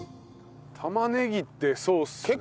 玉ねぎってそうっすね。